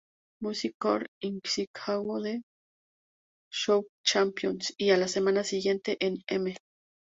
Music Core", "Inkigayo", "The Show", "Show Champion", y a la semana siguiente en "M!